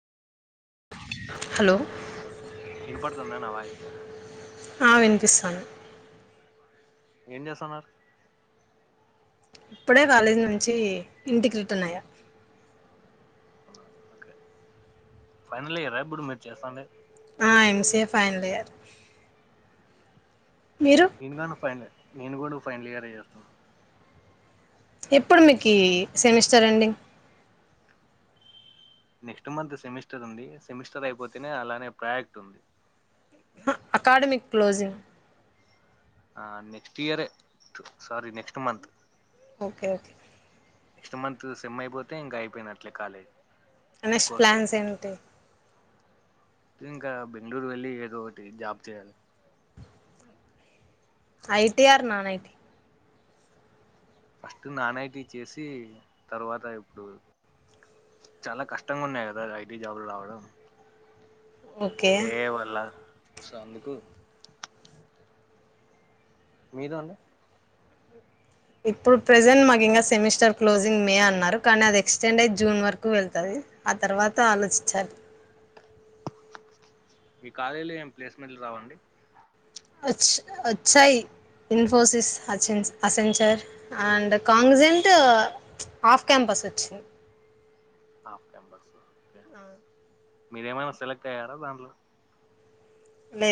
Hello వినపడుతుందా నా voice ఆ వినిపిస్తాంది ఏం చేస్తున్నారు ఇప్పుడే కాలేజీ నుంచి ఇంటికి రిటన్ అయ్యా ఓే ఫైనల్ యియర్ ఆ ఇప్పుడు మీరు చేస్తాడేంది ఆ M C A final year మీరు నేను గాను ఫైనల్ నేను కూడా ఫైనల్ ఇయర్ చేస్తున్నా ఎప్పుడు మీకు ఈ semester ending next month semester ఉంది సెమిస్టర్ అయిపోతేనే అలానే ప్రాయాక్ట్ ఉంది ఆహా అకాడమిక్ క్లోజింగ్ ఆ next year sorry next month okay okay next month sem అయిపోతే ఇంకా అయిపోయి నట్లే కాలేజ్ నెక్స్ట్ కోర్స్ ప్లాన్స్ అయిపోయినట్లే ఏంటి ఇంకా బెంగళూరు వెళ్ళి ఏదో ఒకటి జాబ్ చేయాలి I T or non IT first non IT చేసి తర్వాత ఇప్పుడు చాలా కష్టంగా ఉన్నాయి కదా ఐటీ జాబ్లు రావడం ఓకే ఏ ఐ వల్ల సొ అందుకు మీరు అండి ఇప్పుడు ప్రెజెంట్ మాకు ఇంకా సెమిస్టర్ క్లోజింగ్ మే అన్నారు కానీ అది ఎక్స్టెండ్ అయ్యి జూన్ వరకు వెల్తాది ఆ తర్వాత ఆలోచించాలి. మీ కాలేజీలో ఏమి ప్లేస్మెంట్లు రావండి వచ్ వచ్చాయి ఇన్ఫోసిస్ అసె Accenture and Cognizant off campus వచ్చింది. హాఫ్ క్యాంపసా ఆ మీరేమైనా సెలెక్ట్ అయ్యారా దాంట్లో లే